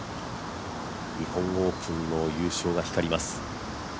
日本オープンの優勝が光ります。